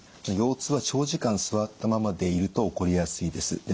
腰痛は長時間座ったままでいると起こりやすいです。